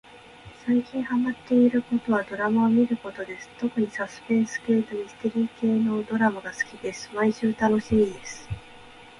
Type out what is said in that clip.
さいきんはまってることはどらまをみることですとくにさすぺんすけいとみすてりーけいのどらまがすきですまいしゅうたのしみです